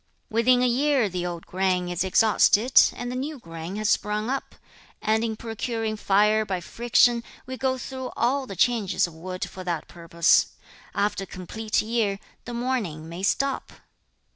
3. 'Within a year the old grain is exhausted, and the new grain has sprung up, and, in procuring fire by friction, we go through all the changes of wood for that purpose. After a complete year, the mourning may stop.'